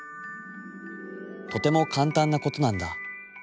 とてもかんたんなことなんだ。